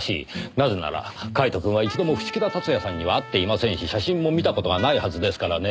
なぜならカイトくんは一度も伏木田辰也さんには会っていませんし写真も見た事がないはずですからね